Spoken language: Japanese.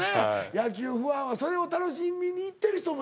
野球ファンはそれを楽しみに行ってる人も。